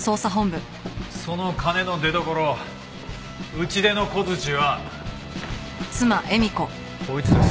その金の出どころ打ち出の小づちはこいつです。